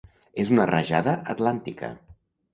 És una rajada atlàntica.